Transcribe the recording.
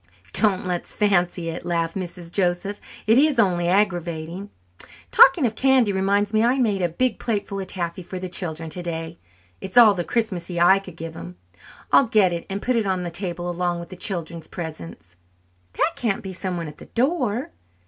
"Don't let's fancy it," laughed Mrs. Joseph, "it is only aggravating. Talking of candy reminds me that I made a big plateful of taffy for the children today. It's all the 'Christmassy' I could give them. I'll get it out and put it on the table along with the children's presents. That can't be someone at the door!"